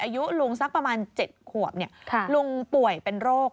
อายุลุงสักประมาณ๗ขวบลุงป่วยเป็นโรค